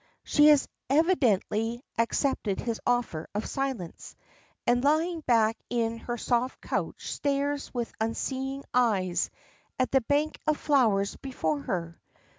She has evidently accepted his offer of silence, and lying back in her soft couch stares with unseeing eyes at the bank of flowers before her.